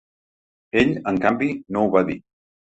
Ell, en canvi, no ho va dir.